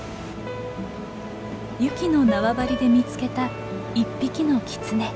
ユキの縄張りで見つけた１匹のキツネ。